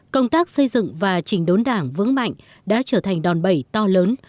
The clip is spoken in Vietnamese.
công tác xây dựng và chỉnh đốn đảng vững mạnh đã trở thành đòn bẩy to lớn